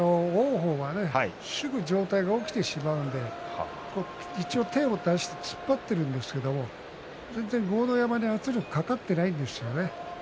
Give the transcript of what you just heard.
鵬はすぐに上体が起きてしまうのですぐに手を出して突っ張っているんですけれども全然、豪ノ山に圧力がかかっていないんですよね。